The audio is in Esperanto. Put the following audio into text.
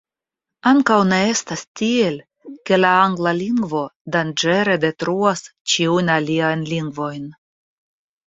Ankaŭ ne estas tiel, ke la angla lingvo danĝere detruas ĉiujn aliajn lingvojn.